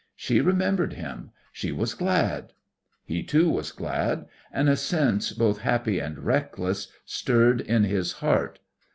She remembered him, she was glad. He, too, was glad, and a sense both happy and reckless stirred in his heart.